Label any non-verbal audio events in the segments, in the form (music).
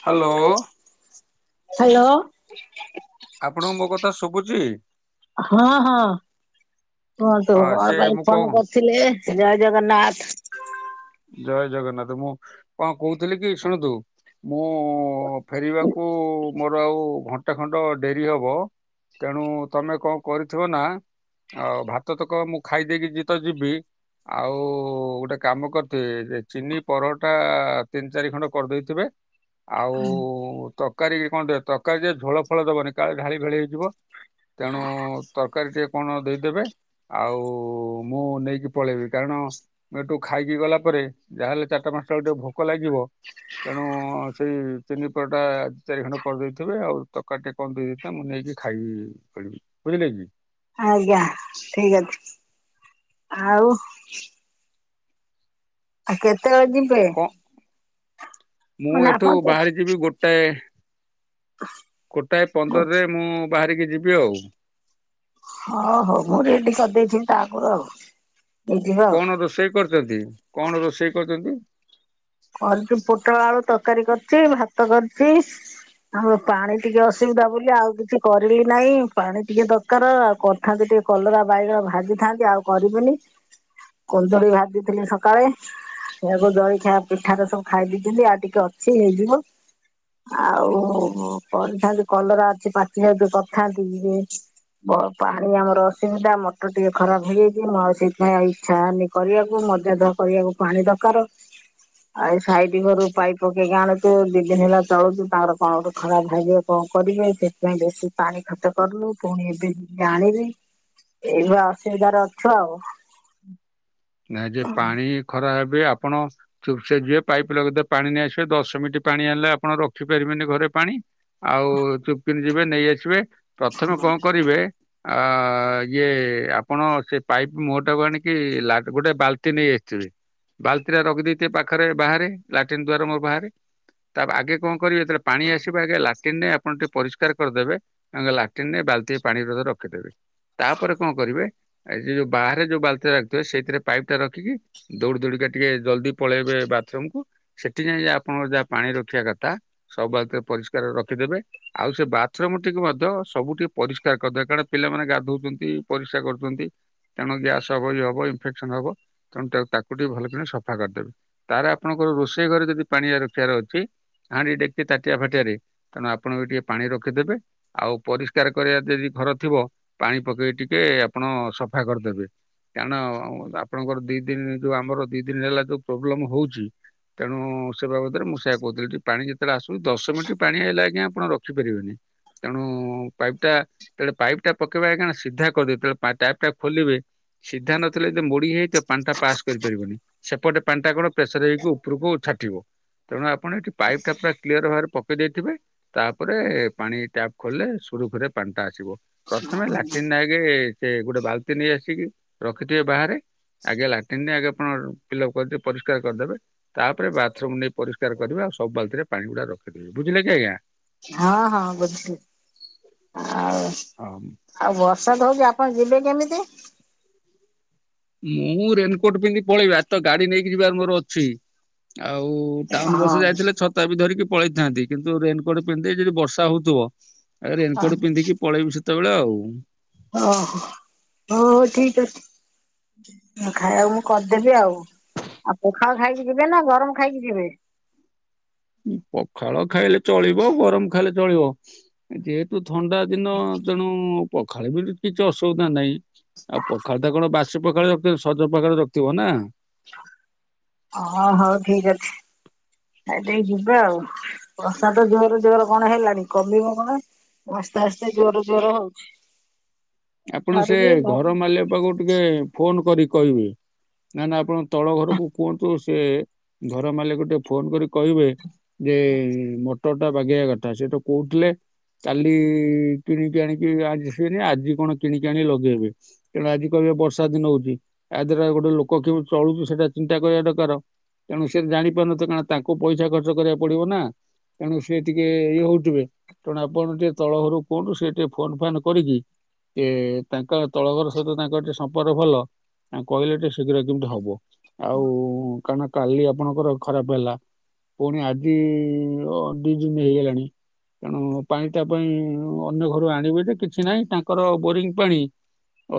Hello. Hello. ଆପଣଙ୍କୁ ମୋ କଥା ଶୁଭୁଛି? ହଁ ହଁ କୁହନ୍ତୁ ହଁ ସେ କଣ ପାଇଁ ମୁଁ ଫୋନ କଣ କରି ଥିଲେ ଜୟ ଜଗନ୍ନାଥ। ଜୟ ଜଗନ୍ନାଥ ମୁଁ କଣ କହୁଥିଲି କି ଶୁଣନ୍ତୁ। ମୁଁ ଫେରିବାକୁ ମୋର ଆଉ ଘଣ୍ଟେ ଖଣ୍ଡ ଡେରି ହବ। ତେଣୁ ତମେ କଣ କରିଥିବ ନା ଆଉ ଭାତ ତ କହ ମୁଁ ଖାଇ ଦେଇକି ଯ ତ ଯିବି ଆଉ ଗୋଟେ କାମ କରି ଚେ ଚିନି ପରଟା ତିନି ଚାରି ଖଣ୍ଡ କରିଦେଇଥିବେ। ଆଉ ତରକାରୀ କଣ ତରକାରୀ ଯେ ଝୋଳ ଫଳ ଦବନି କାଳେ ଢାଳି ଫାଳି ହେଇଯିବ। ତେଣୁ ତରକାରୀ ଟିକେ କଣ ଦେଇଦେବେ ଆଉ ମୁଁ ନେଇକି ପଳେଇବି କାରଣ ଏଠୁ ଖାଇକି ଗଲା ପରେ ଯାହାହେଲେ ଚାରଟା ପାଞ୍ଚଟା ବେଳୁ ଟିକେ ଭୋକ ଲାଗିବ। ତେଣୁ ସେଇ ଚିନି ପରଟା ଦି ଚାରି ଖଣ୍ଡ କରିଦେଇଥିବେ ଆଉ ତରକାରି ଟା କଣ ଦେଇଦେଇଥା ମୁଁ ନେଇକି ଖାଇ ପିବି ବୁଝିଲେ କି। ଆଜ୍ଞା ଠିକ ଅଛି। ଆଉ ଆଉ କେତେବେଳେ ଯିବେ? କଣ ମୁଁ ମାନେ ଆପଣ ଏଠୁ କେତେ ବାହାରି ଯିବି ଗୋଟେ। ଗୋଟାଏ ପନ୍ଦରରେ ମୁଁ ବାହାରିକି ଯିବି ଆଉ। ହଁ ହୋଉ ମୁଁ ରେଡି କରିଦେଇଥିବି ତା ଆଗରୁ ଆଉ। ନେଇଯିବା ଆଉ କଣ ରୋଷେଇ କରିଚନ୍ତି କଣ ରୋଷେଇ କରିଚନ୍ତି? କରିଚି ପୋଟଳ ଆଳୁ ତରକାରୀ କରିଚି ଭାତ କରିଚି। ଆଉ ପାଣି ଟିକେ ଅସୁବିଧା ବୋଲି ଆଉ କିଛି କରିଲି ନାହିଁ। ପାଣି ଟିକେ ଦ କାର ଆଉ କରିଥାନ୍ତି ଟିକେ କଲରା ବାଇଗଣ ଭାଜିଥାନ୍ତି ଆଉ କରିବିନି। କଦଳି ଭାଜିଥିଲି ସକାଳେ ସେଇଆକୁ ଜଳିଖିଆ ପିଠା ତ ସବୁ ଖାଇ ଦେଇଚନ୍ତି ଆଉ ଟିକେ ଅଛି ହେଇଯିବ। ଆଉ କରିଥାନ୍ତି କଲରା ଅଛି ପାଚିଯାଉଚି କରିଥାନ୍ତି ଯେ ବହେ ପାଣି ଆମର ଅସୁବିଧା ମଟର ଟିକେ ଖରାପ ହେଇଯାଇଚି ମୁଁ ଆଉ ସେଇଥିପାଇଁ ଆଉ ଇଛା ହେଇନି କରିବାକୁ ମଜା ଧୁଆ କରିବାକୁ ପାଣି ଦରକାର। ଆଉ ସାଇଟ୍ ଘରୁ ପାଇପ୍ ପକେଇକି ଆଣୁଚୁ ଦି ଦିନ ହେଲା ଚଳୁଚୁ ତାଙ୍କର କଣ ଗୋଟେ ଖରାପ ଭାଗିବ କଣ କରିବେ ସେ ପାଇଁ ବେଶୀ ପାଣି ଖର୍ଚ୍ଚ କରୁନୁ ପୁଣି ଏବେ ଯେ ଆଣିବେ। ଏଇନା ଅସୁବିଧାର ଅଛୁ ଆଉ। ନା ଯେ ପାଣି ଖରା ଏବେ ଆପଣ ଚୁପଚାପ ଯିବେ ପାଇପ୍ ଲଗେଇଦେବେ ପାଣି ନେଇ ଆସିବେ ଦଶ ମିିନିଟ ପାଣି ଆଣିଲେ ଆପଣ ରଖିପାରିବେନି ଘରେ ପାଣି। ଆଉ ଚୁପକିନି ଯିବେ ନେଇ ଆସିବେ ପ୍ରଥମେ କଣ କରିବେ ଆ ଇଏ ଆପଣ ସେ ପାଇପ୍ ମୁହଁଟାକୁ ଆଣିକି ଲା ଗୋଟେ ବାଲ୍ଟି ନେଇ ଆସିଥିବେ ବାଲ୍ଟିରେ ରଖିଦେଇଥିବେ ପାଖରେ ବାହାରେ ଲାଟିନ୍ ଦୁଆର ମୁଁହ ବାହାରେ ତା ଆଗେ କଣ କରିବେ ଯେତେବେଳେ ପାଣି ଆସିବ ଆଗେ ଲାଟିନରେ ଆପଣ ଟିକେ ପରିଷ୍କାର କରିଦେବେ ଆଗ ଲାଟିନରେ ବାଲ୍ଟିଏ ପାଣିରେ ର ରଖିଦେବେ। ତାପରେ କଣ କରିବେ ଆଉ ସେଇ ଯୋଉ ବାହାରେ ଯୋଉ ବାଲତୀ ରଖିଥିବେ ସେଇଥିରେ ପାଇପଟା ରଖିକି ଦୌଡି ଦୌଡିକା ଟିକେ ଜଲଦି ପଳେଇବେ ବାଥରୁମକୁୁ ସେଠି ଯାଇଁ ଯେ ଆପଣଙ୍କ ଯାହା ପାଣି ରଖିବା କଥା ସବୁ ବାଲ୍ଟିରେ ପରିଷ୍କାର କରି ରଖିଦେବେ ଆଉ ସେ ବାଥରୁମ ଟିକୁ ମଧ୍ୟ ସବୁ ଟିକେ ପରିଷ୍କାର କରିଦେବେ କାରଣ ପିଲାମାନେ ଗାଧୋଉଛନ୍ତି ପରିସ୍ରା କରୁଛନ୍ତି। ତେଣୁ ଗ୍ୟାସ ହବ କି ହବ ଇନଫେକ୍ସନ ହବ ତେଣୁ ତାକୁ ଟିକେ ଭଲ କିନା ସଫା କରିଦେବେ। ତାର ଆପଣଙ୍କର ରୋଷେଇ ଘରେ ଯଦି ପାଣିଆ ରଖିବାର ଅଛି ହାଣ୍ଡି, ଡେକଚି, ତାଟିଆ, ଫାଟିଆରେ ତେଣୁ ଆପଣ ବି ଟିକେ ପାଣି ରଖିଦେବେ। ଆଉ ପରିଷ୍କାର କରିବା ଯଦି ଫରକ ଥିବ ପାଣି ପକେଇ ଟିକେ ଆପଣ ସଫା କରିଦେବେ। କାରଣ ଅ ଆପଣଙ୍କର ଦି ଦିନି ଯୋଉ ଆମର ଦି ଦିନ ହେଲା ଯୋଉ ପ୍ରୋବ୍ଲେମ ହୋଉଚି ତେଣୁ ସେ ବାବଦରେ ମୁଁ ସେଇଆ କହୁଥିଲି କି ପାଣି ଯେତେବେଳେ ଆସୁଚି ଦଶ ମିନିଟ୍ ପାଣି ଆଇଲେ ଆଜ୍ଞା ଆପଣ ରଖିପାରିବେନି। ତେଣୁ ପାଇପ୍ ଟା ଯେତେଳେ ପାଇପ୍ ଟା ପକେଇବେ ଆଜ୍ଞା ସିଧା କରିଦେବେ ପାଇପଟା ଖୋଲିବେ ସିଧା ନଥି ଯେତେବେଳେ ମୋଡି ହେଇଯାଇଥିବା ପାଣିଟା ପାସ୍ କରିପାରିବନି ସେପଟେ ପାଣିଟା କଣ ପ୍ରେସର ହେଇକି ଉପରକୁ ଛାଟିବ। ତେଣୁ ଆପଣ ଏଠି ପାଇପ୍ ଟା ପୁରା କ୍ଲିୟର ଭାବରେ ପକେଇ ଦେଇଥିବେ ତାପରେ ପାଣି ଟ୍ୟାପ ଖୋଲିଲେ ସୁରୁଖୁରୁରେ ପାଣିଟା ଆସିବ। ପ୍ରଥମେ ଲାଟିନରେ ଆଗେ ସେ ଗୋଟେ ବାଲ୍ଟି ନେଇ ଆସିକି ରଖିଥିବେ ବାହାରେ ଆଗେ ଲାଟିନରେ ଆଗେ କଣ ଫିଲଅପ କରିଦେବେ ପରିଷ୍କାର କରିଦେବେ ତାପରେ ବାଥରୁମ ନେଇ ପରିସ୍କାର କରିବା ଆଉ ସବୁ ବାଲତୀରେ ପାଣିଗୁଡା ରଖିଦେବି ବୁଝିଲେ କି ଆଜ୍ଞା? ହଁ ହଁ ବୁଝିଲି ଆଉ ହଁ। ଆଉ ବର୍ଷା ତ ହୋଉଛି ଆପଣ ଯିବେ କେମିତି? ମୁଁ ରେନକୋଟ ପିନ୍ଧି ପଳେଇବି ଆଜି ତ ଗାଡି ନେଇକି ଯିବାର ମୋର ଅଛି। ଆଉ ଟାଉନ ବସରେ ହଁ ଯାଇଥିଲେ ଛତ ତା ବି ଧରିକି ପଳେଇଥାନ୍ତି କିନ୍ତୁ ରେନକୋଟ ପିନ୍ଧିଦେଇ ଯଦି ବର୍ଷା ହୋଉଥିବ ଏ ରେନକୋଟ ପିନ୍ଧିକି ପଳେଇବି ସେତେବେଳେ ଆଉ। ଓହୋ ହୋଉ ଠିକ ଅଛି। ଖାଇଆକୁ ମୁଁ କରିଦେବି ଆଉ ଆଉ ପଖାଳ ଖାଇକି ଯିବେ ନା ଗରମ ଖାଇକି ଯିବେ? ପଖାଳ ଖାଇଲେ ଚଳିବ ଗରମ ଖାଇଲେ ଚଳିବ ଯେହେତୁ ଥଣ୍ଡା ଦିନ ତେଣୁ ପଖାଳ ବି କିଛି ଅସୁବିଧା ନାହିଁ ଆଉ ପଖାଳ ତା କଣ ବାସି ପଖାଳ ରଖ ସଜ ପଖାଳରେ ରଖଥିବ ନା? ଓ ହଉ ଠିକ ଅଛି। ଆ ଟିକ ଯିବା ଆଉ ବର୍ଷା ଜୋର ଜୋର କଣ ହେଲାଣି କମିବ କଣ? ଆସ୍ତେ ଆସ୍ତେ ଜୋର ଜୋର ହଉଛି। ଆପଣ ସେ ଛାଡୁନି ଘର ମାଲିକ ପାଖକୁ ଟିକେ ଫୋନ କରି କହିବେ ନା ନା ଆପଣ ତଳ ଘରକୁ କୁହନ୍ତୁ ସେ ଘର ମାଲିକ ଟିକେ ଫୋନ କରି କହିବେ। ଯେ ମଟର ଟା ବାଗେଇବା କଥା ସେ ତ କୋହୁଥିଲେ କାଲି କିଣିକି ଆଣିକି ଆଜି ସିବେନି ଆଜି କଣ କିଣିକି ଆଣିକି ଲଗେଇବେ। ତେଣୁ ଆଜି କହିବେ ବର୍ଷା ଦିନ ହଉଛି ୟା ଦ୍ଵାରା ଗୋଟେ ଲୋକ କେମିତି ଚଳୁଚି ସେଇଟା ଚିନ୍ତା କରିବା ଦରକାର। ତେଣୁ ସେ ଜାଣିପାରୁନଥିବ କାରଣ ତାଙ୍କୁ ପଇସା ଖର୍ଚ୍ଚ କରିବାକୁ ପଡିବ ନା। ତେଣୁ ସିଏ ଟିକେ ଇଏ ହଉଥିବେ ତେଣୁ ଆପଣ ଟିକେ ତଳ ଘରୁ କୁହନ୍ତୁ ସେ ଟିକେ ଫୋନ୍ ଫନ୍ କରିକି ଯେ ତାଙ୍କ ତଳ ଘର ସହିତ ତାଙ୍କର ଟିକେ ସମ୍ପର୍କ ଭଲ। କହିଲେ ଟିକେ ଶୀଘ୍ର କେମିତି ହବ ଆଉ କାହିଁକି ନା କାଲି ଆପଣଙ୍କର ଖରାପ ହେଲା। ପୁଣି ଆଜି ଦି ଦିନ ହେଇଗଲାଣି। ତେଣୁ ପାଣି ତା ପାଇଁ ଅନ୍ୟ ଘରୁ ଆଣିବେ ଯେ କିଛି ନାହିଁ ତାଙ୍କର ବୋରିଂ ପାଣି।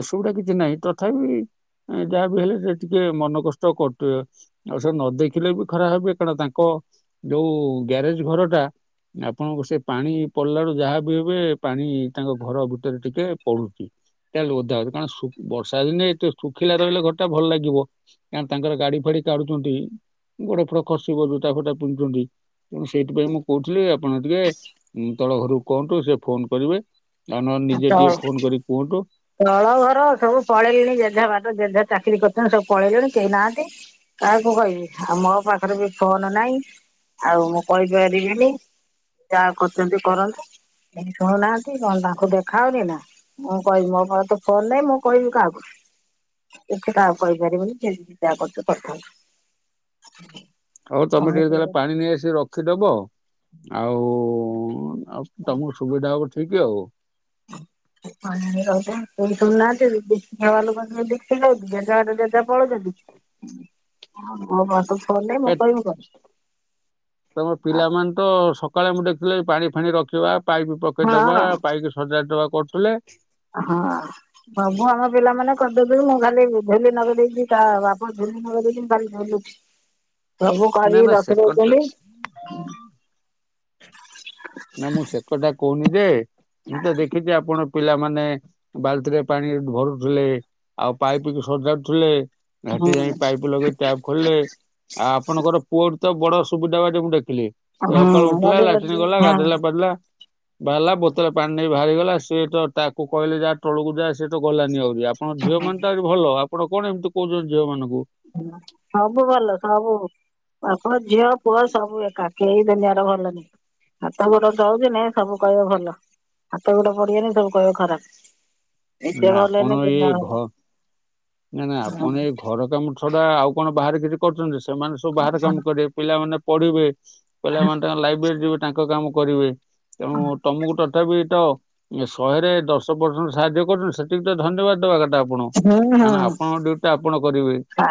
ଅସୁବିଧା କିଛି ନାହିଁ ତଥାପି ଯାହା ବିି ହେଲେ ସେ ଟିକେ ମନ କଷ୍ଟ କରୁଥିବେ। ଆଉ ସବୁ ନ ଦେଖିଲେ ବି ଖରା ହବ କାରଣ ତାଙ୍କ ଯୋଉ ଗ୍ୟାରେଜ ଘର ଟା। ଆପଣଙ୍କ ସେ ପାଣି ପଡିଲା ବଳୁ ଯାହା ବି ହେବେ ପାଣି ତାଙ୍କ ଘର ଭ ରେ ଟିକେ ପଡୁଛି। ଖାଲି ଓଦା ହୋଉଚି କାରଣ ବର୍ଷା ଦିନେ ଏ ଶୁଖିଲା ରହିଲେ ଘରଟା ଭଲ ଲାଗିବ। କା ତାଙ୍କର ଗାଡି ଫାଡି କାଢୁଛନ୍ତି ଗୋଡ ଫଡ ଖସିବ ଜୋତା ଫୋତା ପିନ୍ଧୁଛନ୍ତି। ତେଣୁ ସେଇଥିପାଇଁ ମୁଁ କହୁଥିଲି ଆପଣ ଟିକେ ତଳ ଘରକୁ କୁହନ୍ତୁ ସେ ଫୋନ କରିବେ ଆ ନହଲେ ନିଜେ ତଳ ଟିକେ ଫୋନ କରିକି କୁହନ୍ତୁ। ତଳ ଘର ସବୁ ପଳେଇଲିଣି ଜେଝେ ବାଦ ଜେଯାହା ଚାକିରି କରି କି ସବୁ ପଳେଇଲେଣି କେହି ନାହାନ୍ତି। କାହାକୁ କହିବି ଆଉ ମୋ ପାଖରେ ବି ଫୋନ ନାଇଁ। ଆଉ ମୁଁ କହିପାରିବିନି ଯାହା କରୁଛନ୍ତି କରନ୍ତୁ। ଏ ଶୁଣୁନାହାନ୍ତି କଣ ତାଙ୍କୁ ଦେଖ ହାଉନି ନା ମୁଁ କହିବି ମୋ ମୋର ତ ଫୋନ ନାହିଁ ମୁଁ କହିବି କାହାକୁ? ତ ତାହାକୁ କହିପାରିବନି ସେ ଯାହା କରୁଥାନ୍ତୁ। ହଉ ତମେ ଟିକେ ତାହଲେ ପାଣି ନେଇ ଆସିିକ ରଖିଦବ। ଆଉ ଆଉ ତମକୁ ସୁବିଧା ହବ ଠିକ୍ ଆଉ। ର କେ ଶୁନାହାନ୍ତି ଦେଖି (unintelligible) ଦେଖି ଯେଝା ଯାହା ବାଟେ ପଳଉଛନ୍ତି। ମୋର ତ ଫୋନ୍ ନାହିଁ ମୁଁ ଏ କରିବି କଣ। ତମ ପିଲାମାନେ ତ ସକାଳେ ମୁଁ ଦେଖିଲେ ପାଣି ଫାଣି ରଖିବା ପାଇପ୍ ପକେଇ ଦବା ହଁ ପାଇପ୍ ହଜାର ଟଙ୍କା କରୁଥିଲେ। ହଁ ସବୁ ଆମ ପିଲାମାନେ। କରିଦେବି ମୁଁ ଖାଲି ଧୁଲି ନଗର ଦେଇକି ତା ବାପା ଧୋଲି ନଗର ଦେଇକି ମୁଁ ଖାଲି ଧୁଲୁଛି। ସବୁ ନା କରିକି ନା ସେ କଥା ରଖିଦଉଛନ୍ତି। ନା ମୁଁ ସେ କଥା କହୁନି ଯେ ମୁ ତ ଦେଖିଛି ଆପଣ ପିଲାମାନେ। ବାଲ୍ତିରେ ପାଣି ଭରୁଥିଲେ ଆଉ ପାଇପ୍ କି ସଜାଡୁଥିଲେ। ସେଠି ଯାଇ ହୁଁ ପାଇପ୍ ଲଗେଇ ଟ୍ୟାପ୍ ଖୋଲିଲେ ଆଉ ଆପଣଙ୍କର ପୁଅଠ ତ ବଡ ସୁବିଧା ବା ଯେ ମୁଁ ଦେଖିଲି। ସକାଳୁ ଉଠିଲା ଲାଟିନ ହୁଁ ଗଲା ହଁ। ଗାଧେଲା ପାଧେଇଲା ବାହାରିଲା ବୋତଲ। ପାଣି ନେଇ ବାହାରିଗଲା ସିଏ ତ ତାକୁ କହିଲେ ଯାହା ତଳକୁ ଯାଏ ସେଏ ତ ଗଲାନି ଆହୁରି ଆପଣଙ୍କ ଝିଅ ମାନେ ଭଲ ଆପଣ କଣ ଏମିତି କହୁଛନ୍ତି ଝିଅ ମାନଙ୍କୁ। ସବୁ ଭଲ ସବୁ ଆପଣ ଝିଅ ପୁଅ ସବୁ। (unintelligible) ହାତ ଗୋଡ ଜଳଛି ନାଇ ସବୁ କହିବ ଭଲ ହାତ ଗୋଡ ପଡିିବନି ସବୁ କହିବ ଖରାପ। ଏତେ ନା ଭଲନି ଦୁନିଆ ଆଉ ନାଇଁ ନାଇଁ ଆପଣ ଏଇ ଘର କାମ ଛଡା ଆଉ କଣ ବାହାରେ କିଛି କରୁଛନ୍ତି? ସେମାନେ ସବୁ ବାହାର କାମ କରିବେ ପିଲାମାନେ ପଢିବେ। ପିଲାମାନେ ତାଙ୍କ ଲାଇବ୍ରେରୀ ଯିବେ ତାଙ୍କ କାମ କରିବେ। ତେଣୁ ତମକୁ ତଥାପି ତ ଶହେରେ ଦଶ ପରସେଣ୍ଟ ସାହାଯ୍ୟ କରୁଛନ୍ତି। ସେତିକି ତ ଧନ୍ୟବାଦ ଦବା କଥା ଆପଣ। କାରଣ ହୁଁ ଆପଣଙ୍କ ଡ୍ୟୁଟି ଟା ଆପଣ କରିବେ। ଖା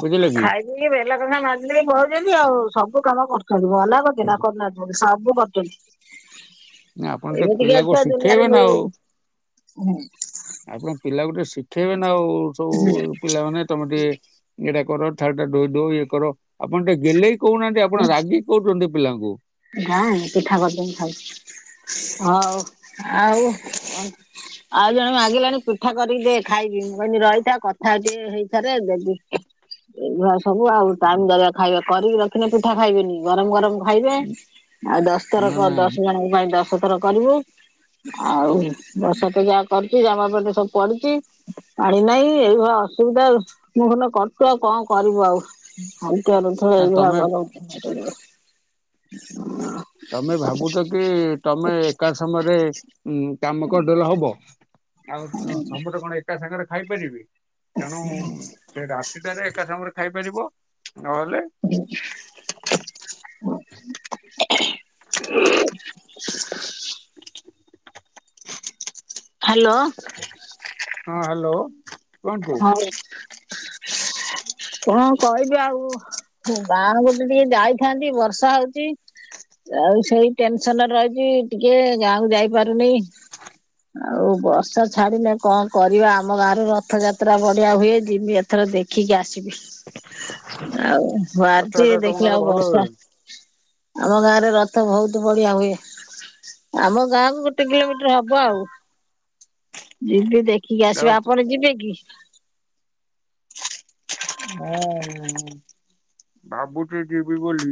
ବୁଝିଲେ କି ଖାଇ ବେଲା କଂସା ମଜିଦେଇ ପଳାଉଛନ୍ତି ଆଉ ସବୁ କାମ କରୁଛନ୍ତି। ମନା କରୁଚି ନା କରୁନାହାନ୍ତି ବୋଲି ସବୁ କାମ କରୁଛନ୍ତି। ଆପଣ ଟିକେ ଏମିତିକା ପିଲାକୁ ଛୁଆ ଦୁନିଆରେ ଶିଖେଇବେ ନା ଆଉ। ମିଳିବେନି। ହୁଁ ଆପଣ ପିଲା କୁ ଟିକେ ଶିଖେଇବେ ନା ଆଉ ସବୁ ହୁଁ ପିଲାମାନେ ତମେ ଟିକେ ଏଇଟା କର ଥାର ଟା ଧୋଇ ଦଉ ଇଏ କର ଆପଣ ଟିକେ ଗେହ୍ଲେଇ କହୁନାହାନ୍ତି। ଆପଣ ରାଗିକି କହୁଛନ୍ତି ପିଲାଙ୍କୁ। ନାଇଁ ପିଠା କରୁଦେ ମୁଁ ଖାଇବି। ହଉ ଆଉ ଆଃ ଆଉ ଜଣେ ମାଗିଲାଣି ପିଠା କରିକି ଦେ। ଖାଇବି ମୁଁ କହିନି ରହିଥା କଥା ଟିକେ ହେଇସାରେ ଦେବି। ଏଇ ଭଳିଆ ସବୁ ଆଉ ଟାଇମ୍ ଦେବେ ଖାଇବା କରିକି ରଖିନେ ପିଠା ଖାଇବେନି ଗରମ ଗରମ ଖାଇ ଆଉ ଦଶ ଥର ନା କ ନା ଦଶ ଜଣଙ୍କ ପାଇଁ ଦଶ ଥର କରିବୁ ଆଉ ବର୍ଷା ତ ଯାହା କରୁଚି ଜାମା ପେଣ୍ଟ ସବୁ ପଡି଼ଚି ପାଣି ନାଇଁ ଏଇ ଭ ଅସୁବିଧା ଆଉ। ମୁଁ ହେଲେ କରୁଚି ଆଉ କଁ କରିବୁ ଆଉ ଖାଉଟିଆ ର ଥଳେ ନା ଏଇ ଭଳିଆ ତମେ ଗରମ କେନେ କରିବ? ହଁ। ତମେ ଭାବୁଚ କି ତମେ ଏକା ସମୟରେ ଉଁ କାମ କରିଦେଲେ ହବ? ଆଉ ସ ସମତେ କଣ ଏକା ସାଙ୍ଗରେ ଖାଇପାରିବେ ତେଣୁ ସେ ରାତିଟାରେ ଏକା ସାଙ୍ଗରେ ଖାଇପାରିବ ନହେଲେ ଉଁ ହାଲୋ। ହଁ ହାଲୋ। ହଉ। କଣ କହିବି ଆଉ ଗାଁ ବୁଲି ଟିକେ ଯାଇଥାନ୍ତି ବର୍ଷା ହଉଚି। ଆଉ ସେଇ ଟେନସନ୍ ରହିଚି ଟିକେ ଗାଁକୁ ଯାଇପାରୁନେଇ। ଆଉ ବର୍ଷା ଛାଡ଼ିଲେ କଁ କରିବା ଆମ ଗାଁରେ ରଥଯା ତ୍ରା ବଢ଼ିଆ ହୁଏ ଯିମି ଏଥର ଦେଖିକି ଆସିବି ଆଉ ଭାରଚି ରଥଯାତ୍ରା ତମ ଗାଁରେ ଦେଖିଲାଉ ଭଲ ବର୍ଷା ହୁଏ? ଆମ ଗାଁରେ ରଥ ଭଉତ ବଢ଼ିଆ ହୁଏ। ଆମ ଗାଁକୁ ଗୋଟେ କିଲୋମିଟର୍ ହବ ଆଉ। ଯିବି ଦେଖିକି ଆସିବା। ଆପଣ ଯିବେ କି? ମୁଁ ଭାବୁଚି ଯିବି ବୋଲି।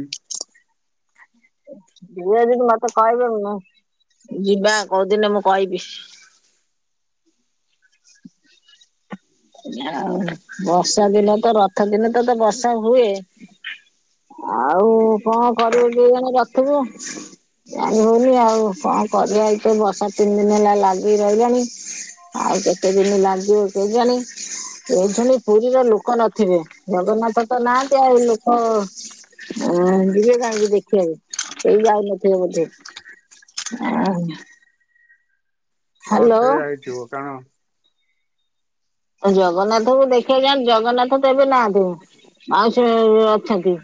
ଯିବେ ଯିଦି ମତେ କହିବେ ମୁଁ ଯିବା କୋଉ ଦିନେ ମୁଁ କହିବି। ଆଉ ବର୍ଷା ଦିନ ତ ରଥ ଦିନ ତ ତ ବର୍ଷା ହୁଏ। ଆଉ କଁ କରିବୁ କେଇଜାଣି ରଥକୁ? ଜାଣି ହୋଉନି ଆଉ କଣ କରିବା ଏଇ ତ ବର୍ଷା ତିନି ଦିନ ହେଲା ଲାଗିକି ରହିଲାଣି। ଆଉ କେତେ ଦିନ ଲାଗିବ କେଜାଣି? ଏଇ କ୍ଷଣି ପୁରୀର ଲୋକ ନଥିବେ ଜଗନ୍ନାଥ ତ ନାହାନ୍ତି ଆଉ ଲୋକ ହଁ ଯିବେ କାହିଁକି ଦେଖିବାକୁ କେହି ଯାଉନଥିବେ ବୋଧେ? ଆ ହୁଁ। ହଁ ସେଇଆ ହେଇଥିବ କାଣ ତ ଜଗନ୍ନାଥଙ୍କୁ ଦେଖିଆକୁ ଯାଆନ୍ତି ଜଗନ୍ନାଥ ତ ଏବେ ନାହାନ୍ତି। ମାଉସୀ ଘରେ ଅଛନ୍ତି।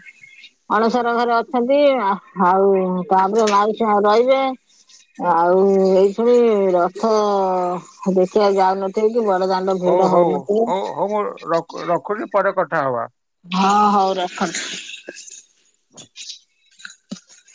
ଅଣସର ଘରେ ଅଛନ୍ତି ଆଉ ଆଉ ତାପରେ ମାଉସୀ ହଁ ରହିବେ। ଆଉ ଏଇଥିରେ ରଥ ଦେଖିବାକୁ ଯାଉନଥିବେ କି ବଡ଼ ଦାଣ୍ଡ ହଉ ଭିଡ଼ ହଉ ହଉନ ହଉ ହଉ ମୁଁ ରଖ୍ ରଖୁଚି ପରେ କଥା ହବା। ହଁ ହଉ ରଖନ୍ତୁ।